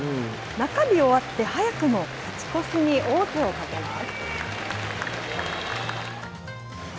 中日終わって、早くも勝ち越しに王手をかけます。